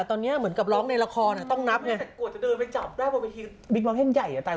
ร้องในละครหรือว่าร้องในงานแบบการผู้สนงานอะไรพวกเนี้ย